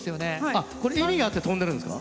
あ意味があって跳んでるんですか？